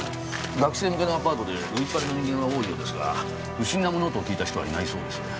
学生向けのアパートで宵っ張りの人間は多いようですが不審な物音を聞いた人はいないそうです。